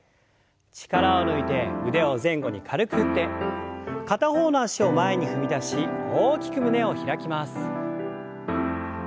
力を抜いて腕を前後に軽く振って片方の脚を前に踏み出し大きく胸を開きます。